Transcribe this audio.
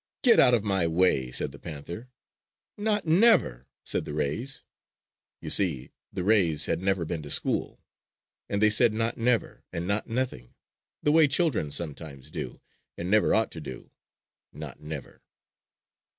"Get out of my way!" said the panther. "Not never!" said the rays. You see, the rays had never been to school; and they said "not never" and "not nothing" the way children sometimes do and never ought to do, not never!